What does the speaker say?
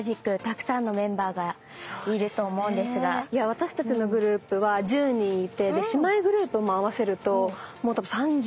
私たちのグループは１０人いて姉妹グループも合わせると３５人ぐらい。